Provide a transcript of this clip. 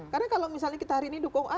karena kalau misalnya kita hari ini dokong a